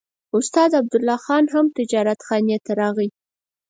استاد عبدالله خان هم تجارتخانې ته راغی.